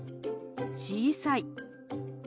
「小さい」。